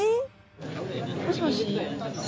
もしもし。